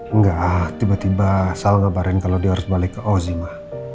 enggak tiba tiba sal ngabarin kalau dia harus balik ke ozima